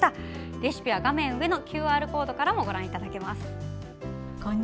レシピは画面上のＱＲコードからご覧いただけます。